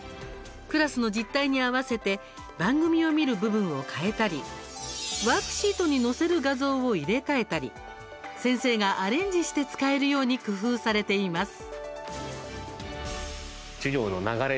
クラスの実態に合わせて番組を見る部分を変えたりワークシートに載せる画像を入れ替えたり先生がアレンジして使えるように工夫されています。